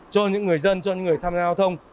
cho những người dân cho những người tham gia giao thông